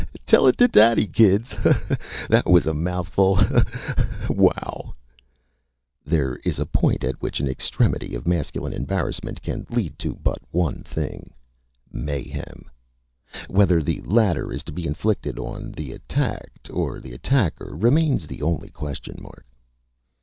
"Ho ho ho! Tell it to Daddy, kids!... Ho ho ho! That was a mouthful.... Ho ho ho ho! Wow!..." There is a point at which an extremity of masculine embarrassment can lead to but one thing mayhem. Whether the latter is to be inflicted on the attacked or the attacker remains the only question mark.